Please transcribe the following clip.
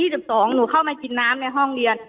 แต่คุณยายจะขอย้ายโรงเรียน